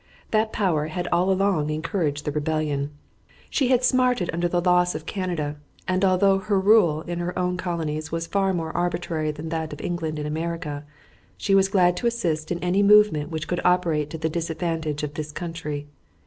That power had all along encouraged the rebellion. She had smarted under the loss of Canada, and although her rule in her own colonies was far more arbitrary than that of England in America, she was glad to assist in any movement which could operate to the disadvantage of this country.